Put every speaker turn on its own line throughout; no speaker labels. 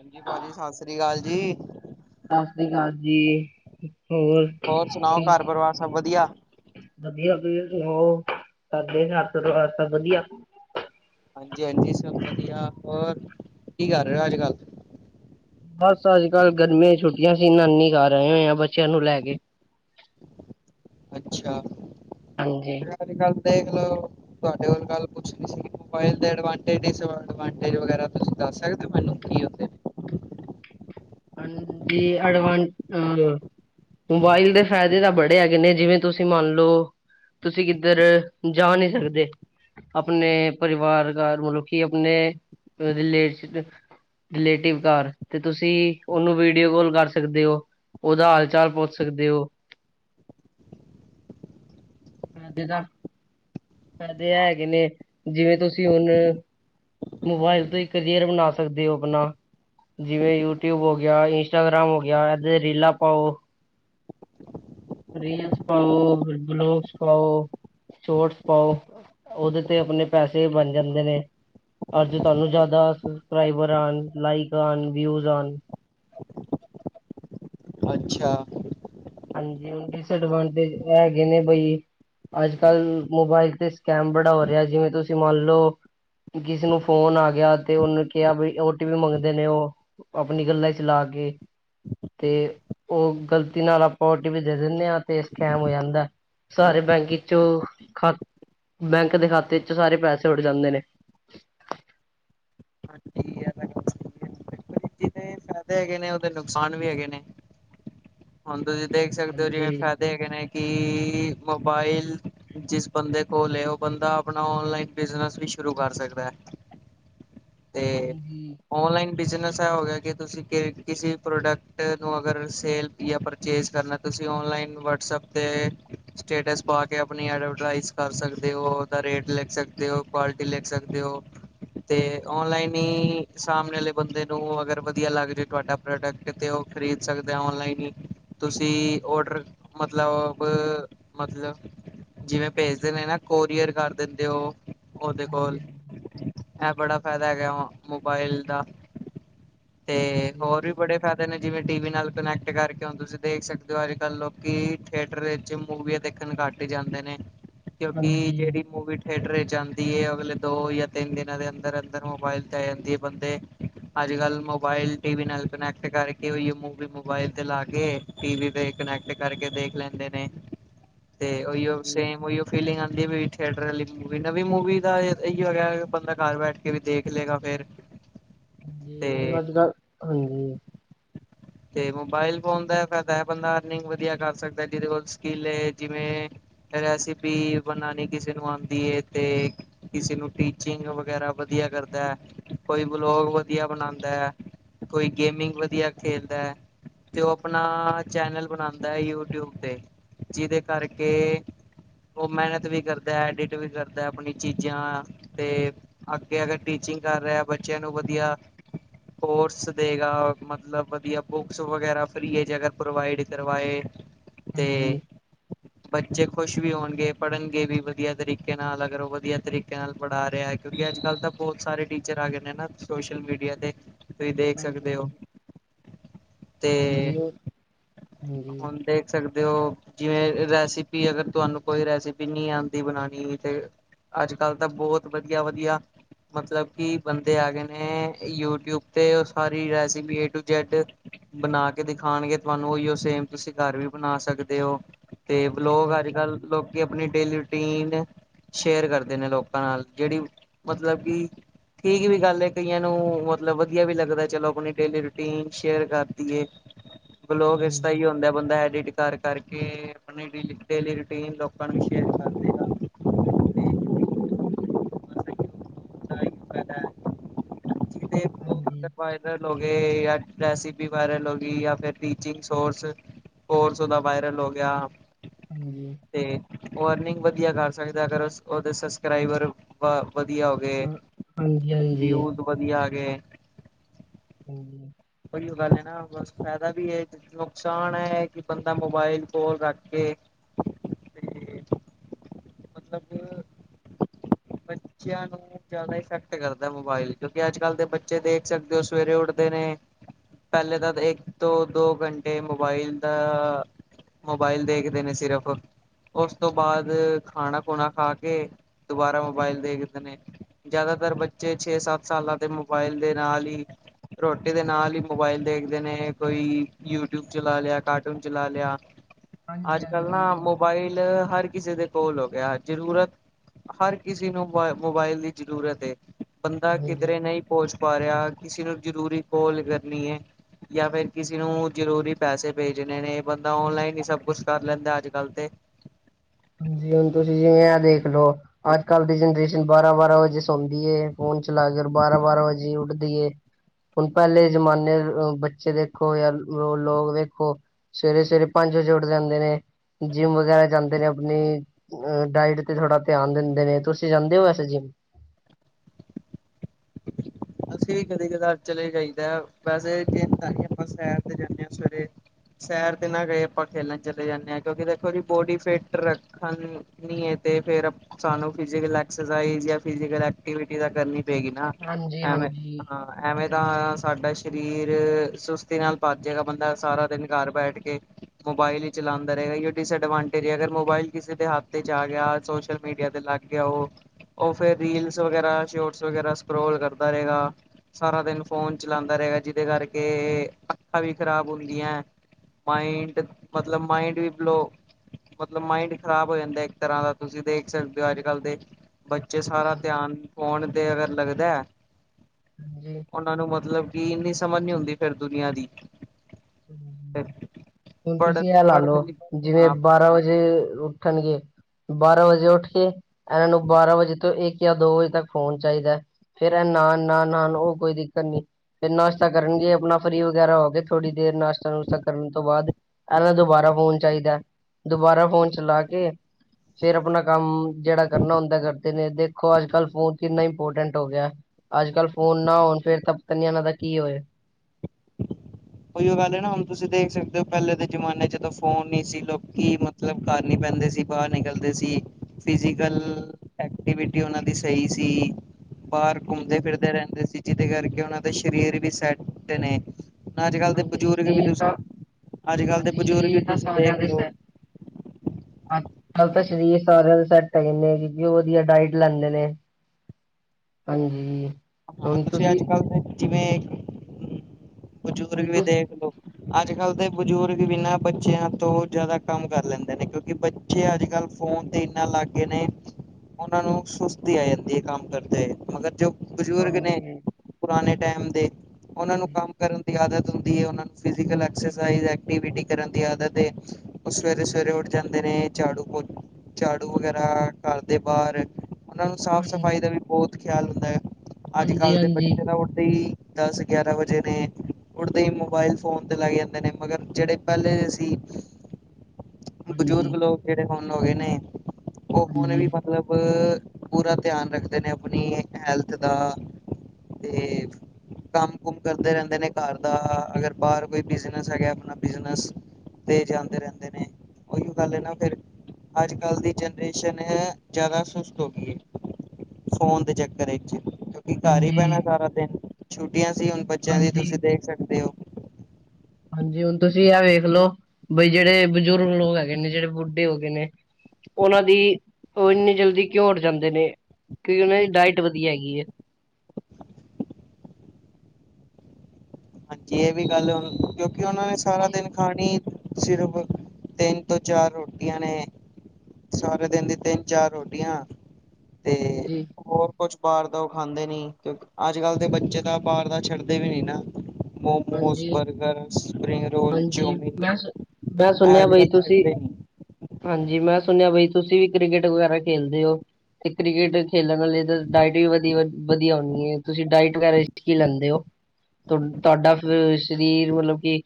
ਹਾਂਜੀ ਭਾਜੀ ਸਤਿ ਸ੍ਰੀ ਅਕਾਲ ਜੀ।
ਸਤਿ ਸ੍ਰੀ ਅਕਾਲ ਜੀ ਕਿੱਥੇ ਹੋ।
ਹੋਰ ਸੁਣਾਓ ਘਰ ਪਰਿਵਾਰ ਸਭ ਵਧੀਆ
ਵਧੀਆ ਤੁਸੀ ਸੁਣਾਓ ਸਾਡੇ ਘਰ [unintelligible] ਨਾਲ ਵਧੀਆ।
ਹਾਂਜੀ- ਹਾਂਜੀ ਸਭ ਵਧੀਆ ਹੋਰ, ਕੀ ਕਰ ਰੇ ਹੋ ਅੱਜ ਗੱਲ।
ਬਸ ਅੱਜ ਕੱਲ੍ਹ ਗਰਮੀਆਂ ਦੀਆਂ ਛੁੱਟੀਆਂ ਸੀ ਨਾਨੀ ਕਰ ਆਏ ਹੋਏ ਆ ਬੱਚਿਆਂ ਨੂੰ ਲੈ ਕੇ।
ਅੱਛਾ।
ਹਾਂਜੀ
ਅੱਜ ਕੱਲ ਦੇਖਲੋ। ਤੁਹਾਡੇ ਕੋਲ ਗੱਲ ਪੁਛਨੀ ਸੀਗੀ ਮੋਬਾਈਲ ਦੇ ਅਡਵਾਈਟਜ ਡਿਸ ਐਡਵਾਈਟਜ ਵਗੈਰਾ ਤੁਸੀਂ ਦੱਸ ਸਕਦੇ ਹੋ ਮੈਨੂੰ। ਕੀਯ [unintelligible]
ਹਾਂਜੀ ਅਡਵਾਨ ਅਹ ਮੋਬਾਇਲ ਦੇ ਫਾਇਦੇ ਤਾਂ ਬੜੇ ਹੈਗੇ ਨੇ ਜਿਵੇਂ ਤੁਸੀਂ ਮੰਨ ਲਓ। ਤੁਸੀਂ ਕਿੱਧਰ, ਜਾ ਨੀ ਸਕਦੇ। ਅਪਣੇ ਪਰਿਵਾਰ ਕਾਰ ਮਤਲਬ ਕਿ ਅਪਣੇ, ਲੇਟ ਰਿਲੇਟਿਵ ਘਰ ਤੇ ਤੁਸੀਂ ਉਹਨੂੰ ਵੀਡੀਓ ਕਾਲ ਕਰ ਸਕਦੇ ਓ, ਉਹਦਾ ਹਾਲ-ਚਾਲ ਪੁੱਛ ਸਕਦੇ ਓ। ਹਜੇ ਤਾਂ ਫਾਇਦੇ ਹੈਗੇ ਨੇ ਜਿਵੇਂ ਤੁਸੀਂ ਹੁਣ ਮੋਬਾਇਲ ਤੋਂ ਹੀ ਕਰੀਅਰ ਬਣਾ ਸਕਦੇ ਹੋ ਆਪਣਾ, ਜਿਵੇਂ ਯੂ ਯੂਟਿਊਬ ਹੋ ਗਿਆ, ਇੰਸਟਾਗ੍ਰਾਮ ਹੋ ਗਿਆ ਇੱਦਾਂ ਦੀ ਰੀਲਾਂ ਪਾਓ। ਰੀਲਸ ਪਾਓ, ਬਲੋਗਸ ਪਾਓ। ਛੋਟਸ ਪਾਓ, ਉਹਦੇ ਤੇ ਆਪਣੇ ਪੈਸੇ ਬਣ ਜਾਂਦੇ ਨੇ। ਅੱਜ ਤੁਹਾਨੂੰ ਜ਼ਿਆਦਾ, ਸਬਸਕ੍ਰਾਈਬਰ ਆਣ, ਲਾਈਕ ਆਣ, ਵਿਊਜ਼ ਆਣ।
ਨੇ ਅੱਛਾ
ਹਾਂਜੀ ਹੁਣ ਡਿਸਐਡਵਾਂਟੇਜ ਹੈਗੇ ਨੇ ਬਈ- ਅੱਜਕੱਲ੍ਹ ਮੋਬਾਇਲ ਤੇ ਸਕੈਮ ਬੜਾ ਹੋ ਰਿਹਾ ਜਿਵੇਂ ਤੁਸੀਂ ਮੰਨ ਲਓ ਕਿਸੇ ਨੂੰ ਫੋਨ ਆ ਗਿਆ ਤੇ ਉਹਨੂੰ ਕਿਹਾ ਬਈ ਓ ਟੀ ਪੀ ਮੰਗਦੇ ਨੇ ਉਹ। ਆਪਣੀ ਗੱਲਾਂ 'ਚ ਲਾ ਕੇ, ਤੇ, ਉਹ ਗ਼ਲਤੀ ਨਾਲ ਆਪ ਓ ਟੀ ਪੀ ਦੇ ਦਿੰਨੇ ਆ ਤੇ ਸਕੈਮ ਹੋ ਜਾਂਦਾ, ਸਾਰੇ ਬੈਂਕ ਚੋਂ ਖਾ ਬੈਂਕ ਦੇ ਖਾਤੇ 'ਚ ਸਾਰੇ ਪੈਸੇ ਉੱਡ ਜਾਂਦੇ ਨੇ।
ਹਾਂ ਠੀਕ [unintelligible] ਕੁਛ ਫ਼ਾਇਦੇ ਹੈਗੇ ਨੇ ਉਹਦੇ ਨੁਕਸਾਨ ਵੀ ਹੈਗੇ ਨੇ, ਹੁਣ ਤੁਸੀਂ ਦੇਖ ਸਕਦੇ ਹੋ ਜਿਵੇਂ
ਹਾਂਜੀ
ਫਾ ਦੇਖ ਨੇ ਕੀ ਮੋਬਾਈਲ ਜਿਸ ਬੰਦੇ ਕੋਲ ਏ ਉਹ ਬੰਦਾ ਆਪਣਾ ਔਂਨਲਾਈਨ ਬਿਜਨਸ ਵੀ ਸ਼ੁਰੂ ਕਰ ਸਕਦਾ।
[inaudible]
ਤੇ,
ਹਾਂਜੀ
ਓਨਲਾਈਨ ਬਿਜਨਸ ਹੈ ਹੋ ਗਿਆ ਕਿ ਤੁਸੀਂ ਕਿ ਕਿਸੇ ਪ੍ਰੋਡਕਟ ਨੂੰ ਅਗਰ ਸੇਲ ਜਾਂ ਪਰਚੇਜ਼ ਕਰਨਾ ਤੁਸੀਂ ਔਨਲਾਈਨ ਵਟਸਅਪ ਤੇ, ਸਟੇਟਸ ਪਾ ਕੇ ਆਪਣੀ ਐਡਵਰਟਾਈਜ਼ ਕਰ ਸਕਦੇ ਓ ਉਹਦਾ ਰੇਟ ਲਿਖ ਸਕ ਤੇ ਉਹ ਕੁਆਲਟੀ ਲਿਖ ਸਕਦੇ ਓ। ਤੇ ਔਨਲਾਈਨ ਹੀ ਸਾਹਮਣੇ ਵਾਲੇ ਬੰਦੇ ਨੂੰ ਅਗਰ ਵਧੀਆ ਲੱਗ ਜੇ ਤੁਹਾਡਾ ਪ੍ਰੋਡਕਟ ਤੇ ਉਹ ਖਰੀਦ ਸਕਦੇ ਔਨਲਾਈਨ ਈ ਤੁਸੀਂ ਔਡਰ ਮਤਲਬ ਬ ਮਤਲਬ- ਜਿਵੇਂ ਭੇਜ ਦੇ ਨਾ ਕੋਰੀਅਰ ਕਰ ਦਿੰਦੇ ਓ ਉਹਦੇ ਕੋਲ,
ਹਾਂਜੀ
ਇਹ ਬੜਾ ਫਾਇਦਾ ਹੈਗਾ ਮੋਬਾਇਲ ਦਾ। ਤੇ ਹੋਰ ਵੀ
ਹਾਂਜੀ
ਬੜੇ ਫੈਦੇ ਨੇ ਜਿਵੇਂ ਟੀ ਵੀ ਨਾਲ ਕਨੈਕਟ ਕਰਕੇ ਹੁਣ ਤੁਸੀਂ ਦੇਖ ਸਕਦੇ ਹੋ ਅੱਜਕੱਲ੍ਹ ਲੋਕੀ ਥੀਏਟਰ ਵਿੱਚ ਮੂਵੀਆਂ ਦੇਖ ਦੇਖਣ ਘੱਟ ਜਾਂਦੇ ਨੇ ਕਿਉਂਕਿ
ਹਾਂਜੀ ਹਾਂਜੀ
ਜਿਹੜੀ ਮੂਵੀ ਥੀਏਟਰ ਵਿੱਚ ਜਾਂਦੀ ਏ ਅਗਲੇ ਦੋ ਜਾਂ ਤਿੰਨ ਦਿਨਾਂ ਦੇ ਅੰਦਰ-ਅੰਦਰ ਮੋਬਾਇਲ ਤੇ ਆ ਜਾਂਦੀ ਏ ਬੰਦੇ ਅੱਜ-ਕੱਲ੍ਹ। ਮੋਬਾਇਲ ਟੀ ਵੀ ਨਾਲ ਕਨੈਕਟ ਕਰਕੇ ਓਹੀਓ ਮੂਵੀ ਮੋਬਾਇਲ ਤੇ ਲਾ ਕੇ, ਟੀ ਵੀ ਤੇ ਕਨੈਕਟ ਟ ਕਰਕੇ ਦੇਖ ਲੈਂਦੇ ਨੇਂ।
[inaudible]
ਤੇ ਉਹੀਓ,
ਹਾਂਜੀ
ਸੇਮ ਉਹੀਓ ਫੀਲਿੰਗ ਆਂਦੀ ਹੈ ਬਈ ਥੀਏਟਰ ਆਲੀ ਮੂਵੀ ਨਵੀਂ ਮੂਵੀ ਦਾ ਇਹੀ ਹੈਗਾ ਬੰਦਾ ਘਰ ਬੈਠ ਕੇ ਵੀ ਦੇਖ ਲਏਗਾ ਫੇਰ।
ਹਾਂਜੀ
ਤੇ
ਹੁਨ ਅੱਜ ਕੱਲ, ਹਾਂਜੀ।
ਤੇ ਮੋਬਾਇਲ ਫੋਨ ਦਾ ਫਾਇਦਾ ਹੈ ਬੰਦਾ ਅਰਨਿੰਗ ਵਧੀਆ ਕਰ ਸਕਦਾ ਏ ਜਿਹਦੇ ਕੋਲ ਸਕਿੱਲ ਏ ਜਿਵੇਂ ਰੈਸਿਪੀ ਬਨਾਨੀ ਕਿਸੇ ਨੂੰ ਆਂਦੀ ਏ ਤੇ ਕਿਸੇ ਨੂੰ ਟੀਚਿੰਗ ਵਗੈਰਾ ਵਧੀਆ ਕਰਦਾ, ਕੋਈ ਬਲੋਗ ਵਧੀਆ ਬਨਾਉਂਦਾ। ਕੋਈ ਗੇਮਿੰਗ ਵਧੀਆ ਖੇਲ ਦਾ, ਤੇ ਉਹ ਆਪਣਾ ਚੈਨਲ ਬਨਾਉਂਦਾ ਯੂਟਿਊਬ ਤੇ। ਜਿਹਦੇ ਕਰਕੇ ਉਹ ਮਿਹਨਤ ਵੀ ਕਰਦਾ, ਐਡਿਟ ਵੀ ਕਰਦਾ ਆਪਨੀ ਚੀਜਾਂ ਤੇ ਅੱਗੇ ਅਗਰ ਟੀਚਿੰਗ ਕਰ ਰਿਹਾ, ਬੱਚਿਆਂ ਨੂੰ ਵਧੀਆ, ਕੋਰਸ ਦੇਗਾ ਮਤਲਬ ਵਧੀਆ, ਬੁਕਸ ਵਗੈਰਾ ਫਰੀ ਹੈ, ਜੇ ਅਗਰ ਪ੍ਰੋਵਾਈਡ ਕਰਵਾਏ, ਤੇ
[inaudible]
ਬੱਚੇ ਖੁਸ਼ ਵੀ ਹੋਣਗੇ, ਪੜ੍ਹਨਗੇ ਵੀ ਵਧੀਆ ਤਰੀਕੇ ਨਾਲ, ਅਗਰ ਉਹ ਵਧੀਆ ਤਰੀਕੇ ਨਾਲ ਪੜ੍ਹਾ ਰਿਹਾ। ਕਿਉਂਕਿ ਅੱਜ ਕੱਲ ਤਾ ਬਹੁਤ ਸਾਰੇ ਟੀਚਰ ਆ ਗਏ ਨੇ ਨਾ, ਸੋਸ਼ਲ ਮੀਡੀਆ ਤੇ, ਤੁਸੀ ਦੇਖ ਸਕਦੇ ਹੋ।
ਹਾਂਜੀ,
ਤੇ,
ਹਾਂਜੀ, ਉਹ- ਹਾਂਜੀ,
ਹੁਨ ਦੇਖ ਸਕਦੇ ਹੋ। ਜਿਵੇਂ ਰੈਸਿਪੀ, ਅਗਰ ਤੁਹਾਨੂੰ ਕੋਈ ਰੈਸਪੀ ਨਹੀ ਆਉਂਦੀ ਬਣਾਉਨੀ ਤੇ, ਅੱਜ ਕੱਲ ਤਾ ਬੋਤ ਵਧੀਆ-ਵਧੀਆ। ਮਤਲਬ ਕਿ ਬੰਦੇ ਆ ਗਏ ਨੇ, ਯੂਟਿਊਬ ਤੇ ਉਹ ਸਾਰੀ ਰੈਸਿਪੀ, ਏ ਟੂ ਜੈੱਡ ਬਨਾ ਕੇ ਦਿਖਾਉਣਗੇ ਤੁਹਾਨੂੰ ਉਹੀਓ ਸੇਮ ਤੁਸੀ ਘਰ ਵੀ ਬਨਾ ਸਕਦੇ ਹੋ। ਤੇ ਵਲੋਗ ਅੱਜ
ਹਾਂਜੀ,
ਕੱਲ ਲੋ ਕਿ ਆਪਣੀ ਡੇਲੀ ਰੂਟੀਨ ਸ਼ੇਅਰ ਕਰਦੇ ਨੇ ਲੋਕਾ ਨਾਲ ਜਿਹੜੀ ਮਤਲਬ ਬੀ ਠੀਕ ਵੀ ਗੱਲ ਹੈ, ਕਈਆਂ ਨੂੰ ਮਤਲਬ ਵਧੀਆ ਵੀ ਲੱਗਦਾ ਏ ਚਲੋ ਆਪਣੀ ਡੇਲੀ ਰੂ ਟੀਨ ਸ਼ੇਅਰ ਕਰ ਦਈਏ, ਵਲੋਗ ਇਸਦਾ
ਹਾਂਜੀ,
ਹੀ ਹੁੰਦਾ ਏ, ਬੰਦਾ ਐਡਿਟ ਕਰ ਕਰਕੇ ਆਪਣੀ ਡੇਲੀ, ਡੇਲੀ ਰੂਟੀਨ ਲੋਕਾਂ ਨੂੰ ਸ਼ੇਅਰ ਕਰਦੇ, ਜਿਹਦੇ,
ਹਾਂਜੀ,
ਤੇ ਵਾਇਰਲ ਹੋ ਗਏ, ਯਾ ਰੈਸਿਪੀ ਵਾਇਰਲ ਹੋ ਗਈ, ਯਾ ਫਿਰ ਟੀਚਿੰਗ ਸੋਰਸ। ਕੋਰਸ ਓਹਦਾ ਵਾਇਰਲ ਹੋ ਗਿਆ।
ਹਾਂਜੀ!
ਤੇ ਉਹ ਅਰਨਿੰਗ ਵਧੀਆ ਕਰ ਸਕਦਾ, ਅਗਰ ਉਸ ਉਹਦੇ ਸਬਸਕ੍ਰਾਈਬਰ ਵਾ, ਵਧੀਆ ਹੋ ਗਏ।
ਹਾਂਜੀ-ਹਾਂਜੀ।
ਵਿਊਜ਼ ਵਧੀਆ ਆ ਗਏ।
ਹਾਂਜੀ!
ਓਹੀਓ ਗੱਲ ਏ ਨਾ ਬਸ ਫਾਇਦਾ ਵੀ ਏ। ਨੁਕਸਾਨਯ ਆ ਕਿ ਬੰਦਾ ਮੋਬਾਇਲ ਕੋਲ ਰੱਖ ਕੇ ਤੇ ਮਤਲਬ ਚਿਆ ਨੂੰ ਜ਼ਿਆਦਾ ਇਫੈਕਟ ਕਰਦਾ ਮੋਬਾਇਲ, ਕਿਉਂਕਿ ਅੱਜ ਕੱਲ ਦੇ ਬੱਚੇ ਦੇਖ ਸਕਦੇ ਹੋ, ਸੁਵੇਰੇ ਉੱਠਦੇ ਨੇ।, ਪਹਿਲੇ ਤਾ ਇੱਕ ਦੋ ਦੋ ਘੰਟੇ ਮੋਬਾਈਲ ਦਾ ਮੋਬਾਈਲ ਦੇਖਦੇ ਨੇ ਸਿਰਫ਼। ਉਸ ਤੋ ਬਾਅਦ ਖਾਣਾ ਖੁਣਾ ਖਾ ਕੇ, ਦੁਬਾਰਾ ਮੋਬਾਇਲ ਦੇਖਦੇ ਨੇ। ਜਿਆਦਾਤਰ ਬੱਚੇ ਛੇ ਸੱਤ ਸਾਲਾਂ ਦੇ ਮੋਬਾਇਲ ਦੇ ਨਾਲ ਹੀ ਰੋਟੀ ਦੇ ਨਾਲ ਹੀ ਮੋਬਾਈਲ ਦੇਖਦੇ ਨੇ ਕੋਈ ਯੂਟਿਊਬ ਚਲਾ ਲਿਆ ਕਾਰਟੂਨ ਚਲਾ ਲਿਆ। ਅੱਜ
ਹਾਂਜੀ,
ਕੱਲ ਨਾ
ਹਾਂਜੀ,
ਮੋਬਾਇਲ ਹਰ ਕਿਸੇ ਦੇ ਕੋਲ ਹੋ ਗਿਆ ਜ਼ਰੂਰਤ, ਹਰ ਕਿਸੀ ਨੂੰ ਮੋ ਮੋਬਾਇਲ ਦੀ ਜਰੂਰਤ ਏ, ਬੰਦਾ
ਹਾਂਜੀ,
ਕਿਧਰੇ ਨਹੀ ਪਹੁੰਚ ਪਾ ਰਿਹਾ, ਕਿਸੀ ਨੂੰ ਜਰੂਰੀ ਕਾੱਲ ਕਰਨੀ ਹੈ। ਜਾ ਫਿਰ ਕਿਸੇ ਨੂੰ ਜ਼ਰੂਰੀ ਪੈਸੇ ਭੇਜਣੇ ਨੇ ਬੰਦਾ ਆਨਲਾਈਨ ਹੀ ਸਭ ਕੁਛ ਕਰ ਲੈਦਾ ਅੱਜ ਕੱਲ ਤੇ,
ਹਾਂਜੀ, ਹੁਣ ਤੁਸੀਂ ਜਿਵੇਂ ਆ ਦੇਖ ਲੋ ਅੱਜ ਕੱਲ ਦੀ ਜਨਰੇਸ਼ਨ ਬਾਰਾਂ ਬਾਰਾਂ ਵਜੇ ਸ ਸੌਦੀ ਏ ਫੋਨ ਚਲਾ ਕੇ ਬਾਰਾਂ ਬਾਰਾਂ ਵਜੇ ਉੱਠਦੀ ਏ। ਹੁਣ ਪਹਿਲੇ ਜਮਾਨੇ, ਬੱਚੇ ਦੇਖੋ ਜਾਂ ਲੋਕ ਦੇਖੋ ਸਵੇਰੇ ਸਵੇਰੇ ਪੰਜ ਵਜੇ ਉੱਠ ਜਾਂਦੇ ਨੇ, ਜਿੰਮ ਵਗੈਰਾ ਜਾਂਦੇ ਨੇ ਆਪਣੀ ਅ ਡਾਇਟ ਤੇ ਥੋੜ੍ਹਾ ਧਿਆਨ ਦਿੰਦੇ ਨੇ, ਤੁਸੀਂ ਜਾਂਦੇ ਹੋ ਐੈਸੇ ਜਿੰਮ?
ਅਸੀਂ ਵੀ ਕਦੇ ਕਦਾਰ ਚਲੇ ਜਾਈਦਾ, ਵੈਸੇ ਚਿੰਤਾ ਨੀ ਆਪਾਂ ਸੈਰ ਤੇ ਜਾਂਦੇ ਹਾਂ ਸਵੇਰੇ ਸੈਰ ਤੇ ਨਾ ਕ ਆਪਾਂ ਖੇਲਣ ਚਲੇ ਜਾਂਦੇ ਹਾਂ, ਕਿਉਂਕਿ ਦੇਖੋ ਜੀ ਬੋਡੀ ਫਿਟ ਰ ਹਨ ਨੀਏ ਤੇ, ਫੇਰ ਸਾਨੂੰ ਫਿਜੀਕਲ ਐਕਸਰਸਾਈਜ਼, ਜਾਂ ਫਿਜ਼ਕਲ ਐਕਟੀਵਿਟੀ ਤਾਂ ਕਰਨੀ ਪਏਗੀ ਨਾ ਹ ਮ,
ਹਾਂਜੀ-ਹਾਂਜੀ,
ਹਾਂ- ਐਵੇਂ ਤਾਂ ਸਾਡਾ ਸਰੀਰ ਸੁਸਤੀ ਨਾਲ ਪੱਰ ਜੇਗਾ, ਬੰਦਾ ਸਾਰਾ ਦਿਨ ਘਰ ਬੈਠ ਕੇ ਮੋਬਾਇਲ ਹੀ ਚਲਾਉਂਦਾ ਰਹੇਗਾ, ਡਿਸਡਵਾਂਟੇਜ ਅਗਰ ਮੋਬਾਇਲ ਕਿਸੇ ਦੇ ਹੱਥ ਤੇ 'ਚ ਆ ਗਿਆ, ਸੋਸ਼ਲ ਮੀਡੀਆ ਤੇ ਲਾ ਉਹ, ਉਹ ਫੇਰ ਰੀਲਸ ਵਗੈਰਾ, ਸ਼ੋਰਟਸ ਵਗੈਰਾ ਸਕੋਲ ਕਰਦਾ ਰਹੇਗਾ ਸਾਰਾ ਦਿਨ ਫੋਨ ਚਲਾਉਂਦਾ ਰਹੇਗਾ, ਜਿਹਦੇ ਕਰਕੇ ਅੱਖਾਂ ਵੀ ਖ਼ਰਾਬ ਹੁੰਦੀਆਂ ਮਾਈਂਡ, ਮਤਲਬ ਮਾਇਂਡ ਵੀ ਬਲੋ ਮਤਲਬ ਮਾਇੰਡ ਖ਼ਰਾਬ ਹੋ ਜਾਂਦਾ ਇੱਕ ਤਰ੍ਹਾਂ ਦਾ, ਤੁਸੀਂ ਦੇਖ ਸਕਦੇ ਹੋ ਅੱਜ ਕੱਲ੍ਹ ਦੇ ਬੱਚੇ ਸਾਰਾ ਧਿਆਨ, ਫੋਣ ਤੇ ਅਗਰ ਲੱਗਦਾ
ਹਾਂਜੀ-ਹਾਂਜੀ।
ਉਹਨਾਂ ਨੂੰ ਮਤਲਬ ਕਿ, ਇੰਨੀ ਸਮਝ ਨਹੀਂੀ ਹੁੰਦੀ ਫਿਰ ਦੁਨੀਆਂ ਦੀ। ਤੇ
ਹੁਣ
ਪੜ੍ਹ
ਤੁਸੀਂ ਇਹ
ਪੜ੍ਹਦੇ
ਲਾਲੋ,
ਲਿਖ
ਜਿਵੇਂ
ਹਾਂ
ਬਾਰਾਂ ਵਜੇ ਉੱਠਣਗੇ, ਬਾਰਾਂ ਵਜੇ ਉੱਠ ਕੇ ਇਹਨਾਂ ਨੂੰ ਬਾਰਾਂ ਵਜੇ ਤੋਂ ਇੱਕ ਦੋ ਵਜੇ ਤੱਕ ਫੋਨ ਚਾਹੀਦਾ, ਫੇਰ ਇਹ ਨਾ ਨਾ ਨ ਉਹ ਕੋਈ ਦਿੱਕਤ ਨੀ ਫਿਰ ਨਾਸ਼ਤਾ ਕਰਨਗੇ ਆਪਣਾ ਫਰੀ ਵਗੈਰਾ ਹੋ ਕੇ, ਥੋੜ੍ਹੀ ਦੇਰ ਨਾਸ਼ਤਾ- ਨੁਸ਼ਤਾ ਕਰਨ ਤੋਂ ਬਾਅਦ ਇਹਾਂ ਦੁਬਾਰਾ ਫੋਨ ਚਾਹੀਦਾ, ਦੁਬਾਰਾ ਫੋਨ ਚਲਾ ਕੇ ਫੇਰ ਆਪਣਾ ਕੰਮ ਜਿਹੜਾ ਕਰਨਾ ਹੁੰਦਾ ਕਰਦੇ ਨੇ, ਦੇਖੋ ਅੱਜ ਕੱਲ ਫੋਨ ਕਿੰਨਾ ਇੰਪੋਰਟੈਂਟ ਹੋ ਗਿਆ। ਅੱਜ ਕੱਲ ਫੋਨ ਨਾ ਹੋਣ, ਫੇਰ ਤਾਂ ਪਤਾ ਨੀ ਇੰਨਾਂ ਦਾ ਕੀ ਹੋਏ।
ੳਹੀੳ ਗੱਲ ਹੈ ਨਾ ਹੁਣ ਤੁਸੀਂ ਦੇਖ ਸਕਦੇ ਹੋ, ਪਹਿਲੇ ਦੇ ਜਮਾਨੇ ਚਦ ਫੋਨ ਨ ਸੀ ਲੋਕੀਤਲ ਮਤਲਬ ਘਰ ਨੀ ਪੈਂਦੇ ਸੀ, ਬਾਹਰ ਨਿਕਲਦੇ ਸੀ ਫਿਜ਼ਕਲ
ਹਾਂਜੀ-ਹਾਂਜੀ।
ਐਕਟੀਵਿਟੀ ਉਹਨਾਂ ਦੀ ਸਹੀ ਸੀ, ਬਾਹਰ ਘੁੰਮਦੇ ਫਿਰਦੇ ਰਹਿੰਦੇ ਸੀ। ਜਿਹਦੇ ਕਰਕੇ ਉਹਨਾਂ ਦੇ ਸਰੀਰ ਵੀ ਸੈਟ ਨੇ। ਅੱਜ ਕੱਲ੍ਹ ਦੇ
ਹਾਂਜੀ
ਬਜ਼ੁਰਗ ਵੀ
ਸਰੀਰ
ਤੁਸੀਂ
ਤਾਂ,
ਅੱਜ ਕੱਲ੍ਹ ਦੇ
ਹਾਂਜੀ
ਬਜ਼ੁਰਗ ਵੀ
ਸਰੀਰ ਤਾਂ
ਤੁਸੀਂ
ਸਾਰਿਆਂ
ਦੇਖ
ਦੇ
ਲਓ
ਸੈਟ ਤਾਂ ਸਰੀਰ ਸਾਰਿਆਂ ਦੇ ਸੈਟ ਹੈ, ਕਹਿੰਦੇ ਕਿਉਂਕਿ ਉਹ ਵਧੀਆ ਡਾਇਟ ਲੈਂਦੇ ਨੇ। ਹਾਂਜੀ।
ਹਾਂ ਤੁਸੀਂ ਅੱਜ ਕੱਲ੍ਹ ਦੇ ਜਿਵੇਂ,
ਹੁਣ
ਬਜ਼ੁਰਗ ਵੀ
ਤੁਸੀਂ
ਦੇਖ ਲਓ ਅੱਜ ਕੱਲ੍ਹ ਦੇ ਬਜ਼ੁਰਗ ਵੀ ਨਾ, ਬੱਚਿਆਂ ਤੋਂ ਜ਼ਿਆਦਾ ਕੰਮ ਕਰ ਲੈਂਦੇ ਨੇ ਕਿਉਂਕਿ ਬ ਬੱਚੇ ਅੱਜ ਕੱਲ ਫੋਨ ਤੇ ਇਨਾ ਲਾਗੇ ਨੇ ਉਹਨਾਂ ਨੂੰ ਸੁਸਤੀ ਆ ਜਾਂਦੀ ਹੈ ਕੰਮ ਕਰਦੇ ਹੋਏ, ਮਗਰ ਜੋ ਬਜ਼ੁਰਗ ਨੇ
ਹਾਂਜੀ
ਪੁਰਾਣੇ ਟਾਈਮ ਦੇ, ਉਹਨਾਂ ਨੂੰ
ਹਾਂਜੀ
ਕੰਮ ਕਰਨ ਦੀ ਆਦਤ ਹੁੰਦੀ ਹੈ, ਉਹ ਨੂੰ ਫਿਜ਼ਕਲ ਐਕਸਾਈ ਐਕਟੀਵਿਟੀ ਕਰਨ ਦੀ ਆਦਤ ਹੈ। ਉਹ ਸਵੇਰੇ -ਸਵੇਰੇ ਉੱਠ ਜਾਂਦੇ ਨੇ, ਝਾੜੂ ਪੋਚ ਝਾੜ ਵਗੈਰਾ ਘਰ ਦੇ ਬਾਹਰ ਉਹਨਾਂ ਨੂੰ ਸਾਫ਼
ਹਾਂਜੀ
ਸਫ਼ਾਈ ਦਾ ਵੀ ਬਹੁਤ ਖਿਆਲ ਹੁੰਦਾ ਹੈ। ਅੱਜ
ਹਾਂਜੀ
ਕੱਲ੍ਹ ਦੇ
ਹਾਂਜੀ
ਬੱਚੇ ਤਾਂ, ਉੱਡਦੇ ਹੀ ਦਸ ਗਿਆਰਾਂ ਵਜੇ ਨੇ ਉੱਡਦੇ ਹੀ ਮੋਬਾਇਲ ਫੋਨ ਤੇ ਲੱਗ ਜਾਂਦੇ ਨੇ, ਮਗਰ ਜਿਹੜੇ ਪਹਿਲੇ ਸੀ
ਹਾਂਜੀ
ਬਜ਼ੁਰਗ ਲੋਕ ਜਿਹੜੇ ਹੁਣ ਹੋ ਗਏ ਨੇ, ਉਹ ਹੁਣ
ਹਾਂਜੀ
ਵੀ ਮਤਲਬ ਪੂਰਾ ਧਿਆਨ ਰੱਖਦੇ ਨੇ, ਆਪਣੀ ਹੈਲਥ ਥ ਦਾ, ਤੇ ਕੰਮ- ਕੁਮ ਕਰਦੇ ਰਹਿੰਦੇ ਨੇ ਘਰ ਦਾ ਅਗਰ ਬਾਹਰ ਕੋਈ ਬਿਜਨਸ ਹੈਗਾ ਆਪਣਾ ਬਿਜਨਸ- ਤੇ ਜਾਂਦੇ ਰਹਿੰਦੇ ਨੇ, ਉਹੀਉ ਗੱਲ ਐ ਨਾ ਫੇਰ। ਅੱਜ ਕੱਲ ਦੀ ਜਨਰੇਸ਼ਨ ਹੈ, ਜ਼ਿਆਦਾ ਸੁਸਤ ਹੋ ਗਈ ਹੈ। ਫੋਨ ਦੇ ਚੱਕਰ ਇਚ ਹੈ। ਘਰ ਹੀ ਪੈਣਾ
ਹਾਂਜੀ
ਸਾਰਾ ਦਿਨ ਛੁੱਟੀਆਂ ਸੀ, ਹੁਣ ਬੱਚਿਆਂ ਦੀ
ਹਾਂਜੀ
ਤੁਸੀਂ ਦੇਖ ਸਕਦੇ ਹੋ।
ਹਾਂਜੀ, ਹੁਣ ਤੁਸੀਂ ਆ ਵੇਖ ਲੋ, ਬਈ ਜਿਹੜੇ ਬਜ਼ੁਰਗ ਲੋਕ ਹੈਗੇ ਨੇ, ਜਿਹੜੇ ਬੁੱਢੇ ਹੋ ਗਏ ਨੇ। ਉਹਨਾਂ ਦੀ ਉਹ ਇੰਨੀ ਜਲਦੀ ਕਿਉਂ ਉਠ ਜਾਂਦੇ ਨੇ, ਕਿਉਂਕਿ ਉਹਨਾਂ ਦੀ ਡਾਇਟ ਵਧੀਆ ਹੈਗੀ ਹੈ।
ਹਾਂਜੀ ਇਹ ਵੀ ਗੱਲ, ਕਿਉਂਕਿ ਉਹਨਾਂ ਨੇ ਸਾਰਾ ਦਿਨ ਖਾਣੀ ਸਿਰਫ ਤਿੰਨ ਤੋਂ ਚਾਰ ਰੋਟੀਆਂ ਨੇ, ਸਾਰੇ ਦਿਨ ਦੀ ਤਿੰਨ ਚਾਰ ਰੋਟੀਆਂ, ਤੇ
ਹਾਂਜੀ
ਹੋਰ ਕੁਛ ਬਾਹਰ ਦਾ ਉਹ ਖਾਂਦੇ ਨੀ, ਕਿਉਂ ਅੱਜ ਕੱਲ ਦੇ ਬੱਚੇ ਤਾਂ ਬਾਹਰ ਦਾ ਛੱਡਦੇ ਵੀ ਨੀ ਨਾ। ਮੋਮੋਸ
ਹਾਂਜੀ,
ਬਰਗਰ ਸਪਰਿੰਗ ਰੋਲ
ਹਾਂਜੀ
ਚੌਮਿਨ
ਮੈਂ ਸੁ ਮੈਂ
ਇਹ
ਸੁਣਿਆ
ਅੱਜ
ਬਈ
ਕੱਲ
ਤੁਸੀਂ
ਛੱਡਦੇ ਨੀ
ਹਾਂਜੀ, ਮੈਂ ਸੁਣਿਆ ਬਈ ਤੁਸੀਂ ਵੀ ਕ੍ਰਿਕਟ ਵਗੈਰਾ ਖੇਲਦੇ ਹੋ, ਤੇ ਕ੍ਰਿਕਟ ਖੇਲਣ ਵਾਲੇ ਦਾ ਡਾਇਟ ਵੀ ਵਧੀਆ- ਵਧੀਆ ਹੋਦੀ ਹੈ। ਤੁਸੀਂ ਡਾਇਟ ਵਗੈਰਾ ਵਿਚ ਕੀ ਲੈਂਦੇ ਹੋ? ਤੁ ਤੁਹਾਡਾ ਫੇਰ ਸਰੀਰ ਵਲੋਂ ਕਿ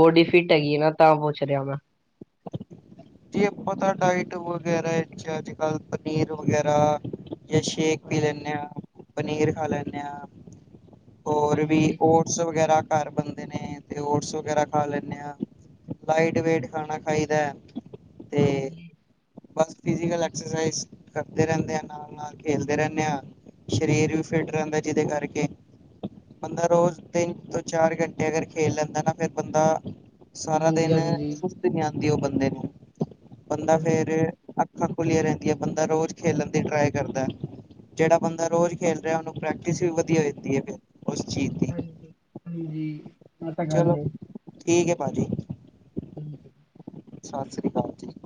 ਬੋਡੀ ਫਿੱਟ ਹੈਗੀ ਹੈ ਨਾ ਤਾਂ ਪੁੱਛ ਰਿਹਾ ਮੈਂ। [inaudible]
ਜੇ ਆਪਾਂ ਤਾ ਡਾਇਟ ਵਗੈਰਾ, ਅੱਜ ਕੱਲ ਪਨੀਰ ਵਗੈਰਾ ਜਾਂ ਸ਼- ਸੇ਼ਕ ਪੀ
ਹਾਂਜੀ
ਲੈਨੇ ਹਾਂ, ਪਨੀਰ ਖਾ ਲੈਂਨੇ ਹਾਂ, ਹੋਰ ਵੀ
ਹਾਂਜੀ
ਔ- ਟਸ ਵਗੈਰਾ ਘਰ ਬਣਦੇ ਨੇ ਤੇ ਓਟਸ ਵਗੈਰਾ ਖਾ ਲੈਂਨੇ ਆ ਲਾਈਟ ਵੇਟ ਖਾਣਾ। ਫਾਇਦਾ ਐ।
ਹਾਂਜੀ।
ਬਸ ਫਿਕਲਸ ਐਕਸਸਾਈਜ਼ ਕਰਦੇ ਰਹਿੰਦੇ ਆ ਨਾਲ- ਨਾਲ ਖੇਲਦੇ ਰਹਿੰਦੇ ਆ। ਸਰੀਰ ਵੀ ਫਿੱਟ ਰਹਿੰਦਾ ਐ ਜਿਹਦੇ ਕਰਕੇ। ਬੰਦਾ ਰੋਜ਼ ਤਿੰਨ ਤੋਂ ਚਾਰ ਘੰਟੇ ਅਗਰ ਖੇਲ ਲੈਂਦਾ ਨਾ ਫੇਰ ਬੰਦਾ ਸਾਰਾ
ਹਾਂਜੀ
ਦਿਨ ਸੁਸਤੀ ਨਹੀਂ ਆਉਂਦੀ ਉਹ ਬੰਦੇ ਨੂੰ। ਬੰਦਾ ਫੇਰ
ਹਾਂਜੀ
ਅੱਖਾਂ ਖੁੱਲੀਆਂ ਰਹਿੰਦੀਆਂ, ਬੰਦਾ ਰੋਜ਼ ਖੇਲਣ ਦੀ ਟਰਾਈ ਕਰਦਾ ਐ। ਜਿਹੜਾ ਬੰਦਾ ਰੋਜ਼ ਖੇਲ ਰਿਹਾ ਉਹਨੂੰ ਪ੍ਰੈਕਟਿਸ ਵੀ ਵਧੀਆ ਹੋ ਜਾਂਦੀ ਹੈ ਫੇਰ ਉਸ ਚੀਜ਼ ਦੀ।
ਹਾਂਜੀ- ਹਾਂਜੀ। ਤਾਂ ਗੱਲ
ਚਲੋ ਠੀਕ ਹੈ ਭਾਅ ਜੀ।
ਹਮ [unintelligible]
ਸਤਿ ਸ੍ਰੀ ਅਕਾਲ ਜੀ ‌।